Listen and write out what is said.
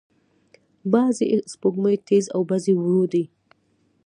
بعضې سپوږمۍ تیز او بعضې ورو دي.